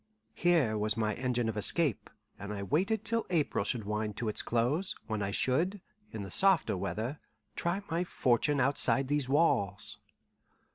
Here was my engine of escape, and I waited till April should wind to its close, when I should, in the softer weather, try my fortune outside these walls.